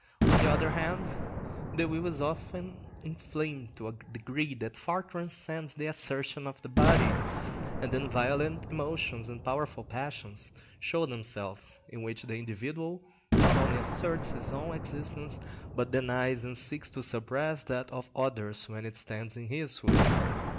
On the other hand, the will is often inflamed to a degree that far transcends the assertion of the body, and then violent emotions and powerful passions show themselves, in which the individual not only asserts his own existence, but denies and seeks to suppress that of others when it stands in his way.